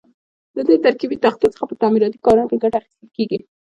له دې ترکیبي تختو څخه په تعمیراتي کارونو کې ګټه اخیستل کېږي.